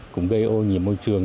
cũng gây ô nhiễm môi trường